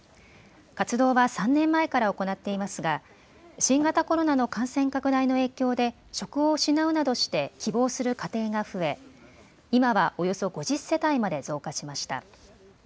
活動は３年前から行っていますが新型コロナの感染拡大の影響で職を失うなどして希望する家庭が増え、今はおよそ５０世帯まで増加しました。